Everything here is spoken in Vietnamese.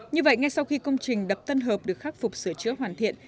như vậy ngay sau khi công trình đập tân hợp được khắc phục sửa chữa hoàn thiện